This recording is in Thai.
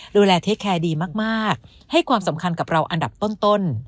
ดูแลเทคแคร์ดีมากให้ความสำคัญกับเราอันดับต้น